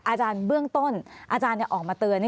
อาจารย์ออกมาเตือนคุณหมอออกมาเตือนหลายคน